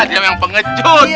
dia memang pengecut